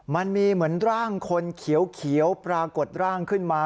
มันมีเหมือนร่างคนเขียวปรากฏร่างขึ้นมา